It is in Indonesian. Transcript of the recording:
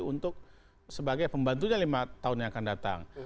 untuk sebagai pembantunya lima tahun yang akan datang